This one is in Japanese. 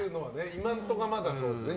今のところはそうですね。